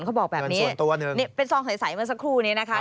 เขาบอกแบบนี้นี่เป็นซองใสเมื่อสักครู่นี้นะคะ